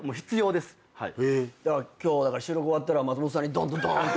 今日だから収録終わったら松本さんにドンドンドーンって。